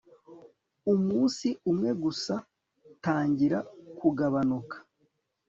umunsi umwe gusa tangira kugabanuka